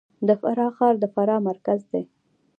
د فراه ښار د فراه مرکز دی